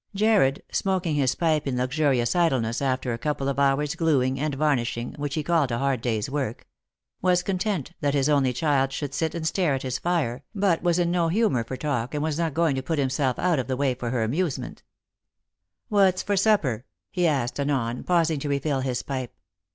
Jarred — smoking his pipe in luxurious idleness, after a couple of hours' gluing and varnishing, which he called a hard day's work — was content that his only child should sit and stare at his fire, but was in no humour for talk, and was not going to put himself out of the way for her amusement. 54 Lost for Love. "What's for supper?" he asked anon, pausing to refill hia pipe.